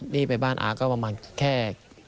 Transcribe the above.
รีบไปบ้านอาก็ประมาณแค่